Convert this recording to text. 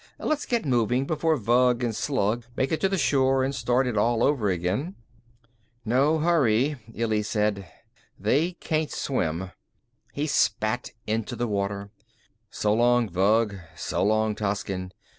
Let's get moving before Vug and Slug make it to shore and start it all over again." "No hurry," Illy said. "They can't swim." He spat into the water. "So long, Vug. So long, Toscin.